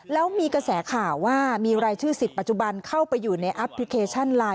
แล้วมีกระแสข่าวว่ามีรายชื่อสิทธิปัจจุบันเข้าไปอยู่ในแอปพลิเคชันไลน์